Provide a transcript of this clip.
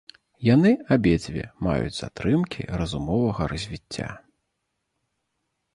Яны абедзве маюць затрымкі разумовага развіцця.